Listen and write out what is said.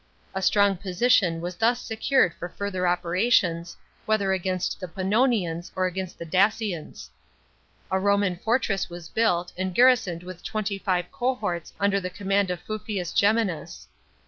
A strong position was thus secured for further operations, whether against the Pannonians, or against the Dacians. A Roman fortress was built, and garrisoned with twenty five cohorts under the command of Fufius Geminus.